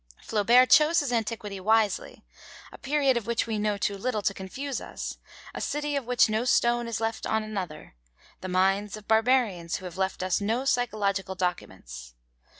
Flaubert chose his antiquity wisely: a period of which we know too little to confuse us, a city of which no stone is left on another, the minds of Barbarians who have left us no psychological documents.